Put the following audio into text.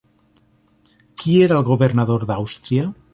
Qui era el governador d'Àustria?